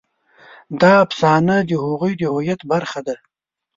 دا افسانه د هغوی د هویت برخه ده.